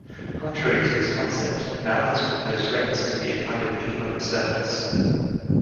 Contrary to this concept, Malthus proposed rent to be a kind of economic surplus.